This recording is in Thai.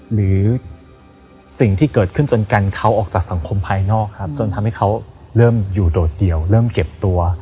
หรือสิ่งที่เกิดขึ้นจนกันเขาออกจากสังคมภายนอกครับจนทำให้เขาเริ่มอยู่โดดเดี่ยวเริ่มเก็บตัว